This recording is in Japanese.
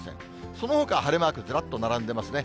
そのほかは晴れマークずらっと並んでますね。